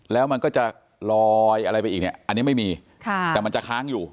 แล้วมันก็จะลอยอะไรไปอีกเนี่ยอันนี้ไม่มีค่ะแต่มันจะค้างอยู่